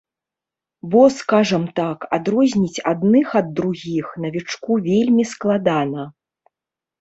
Бо, скажам так, адрозніць адных ад другіх навічку вельмі складана.